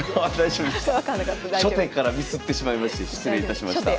初手からミスってしまいまして失礼いたしました。